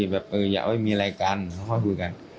แบบอยากว่ามีอะไรกันแล้วค่อยพูดกัน